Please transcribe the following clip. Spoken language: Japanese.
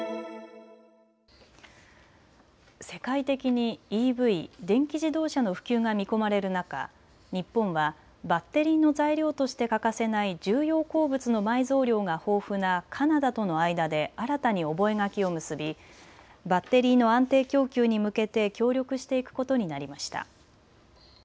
世界的にＥＶ・電気自動車の普及が見込まれる中、日本はバッテリーの材料として欠かせない重要鉱物の埋蔵量が豊富なカナダとの間で新たに覚書を結びバッテリーの安定供給に向けて協力していくことになりました。